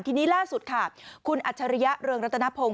ทีนี้ล่าสุดค่ะคุณอัจฉริยะเรืองรัตนพงศ